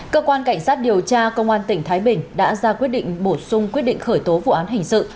cơ quan cảnh sát điều tra công an tỉnh thái bình đã ra quyết định bổ sung quyết định khởi tố vụ án hình sự